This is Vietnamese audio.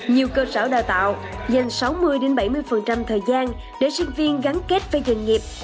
nhiều cơ sở đào tạo dành sáu mươi bảy mươi thời gian để sinh viên gắn kết với doanh nghiệp